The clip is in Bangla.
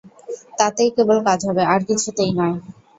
তাতেই কেবল কাজ হবে, আর কিছুতেই নয়।